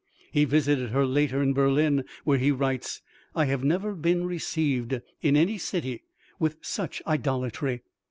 He visited her later in Berlin, where he writes, "I have never been received in any city with such idolatry.